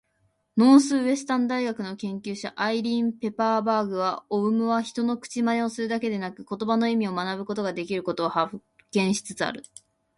ノースウエスタン大学の研究者、アイリーン・ペパーバーグは、オウムは人の口まねをするだけでなく言葉の意味を学ぶことができることを発見しつつある。